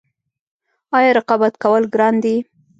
آیا رقابت کول ګران دي؟